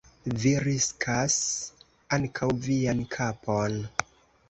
Vi riskas ankaŭ vian kapon.